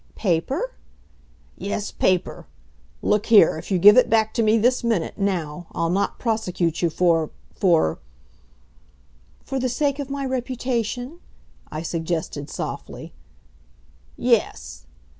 "Paper?" "Yes, paper. Look here, if you give it back to me this minute now I'll not prosecute you for for " "For the sake of my reputation?" I suggested softly. "Yes."